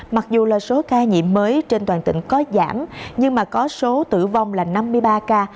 mặc dù là số ca nhiễm mới trên toàn tỉnh có giảm nhưng mà có số tử vong là năm mươi ba ca